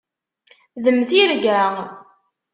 D mm tirga.